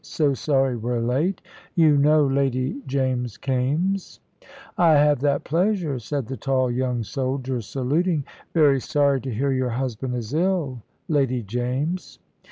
So sorry we're late. You know Lady James Kaimes?" "I have that pleasure," said the tall young soldier, saluting. "Very sorry to hear your husband is ill, Lady James."